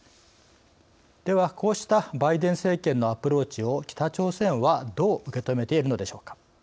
では、こうしたバイデン政権のアプローチを北朝鮮はどう受け止めているのでしょうか。